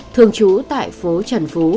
thường trú tại phố trần phú